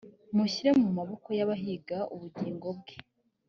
mushyire mu maboko y abahiga ubugingo bwe